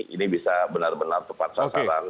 ini bisa benar benar tepat sasaran